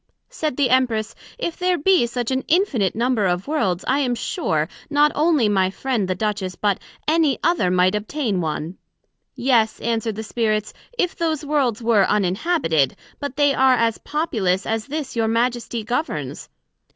said the Empress, If there be such an Infinite number of Worlds, I am sure, not onely my friend, the Duchess, but any other might obtain one. Yes, answered the Spirits, if those Worlds were uninhabited; but they are as populous as this your Majesty governs.